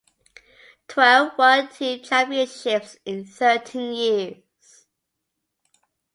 Twelve world team championships in thirteen years.